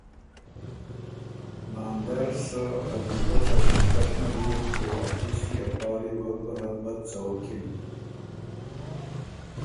ناندر سۀ عجیبۀ کشمکش نر بیوک او ا دِستي ا پاړي وه بو رد بد څوکِن۔